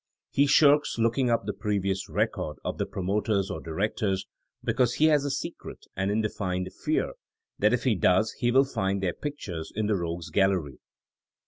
He shirks looking up the previous record of the pro moters or directors because he has a secret and indefined fear that if he does he wiU find their pictures in the Eogues' Gallery.